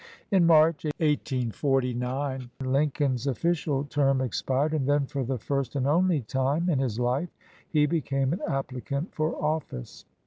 In March, 1849, Lincoln's official term expired, and then for the first and only time in his life he became an applicant for office.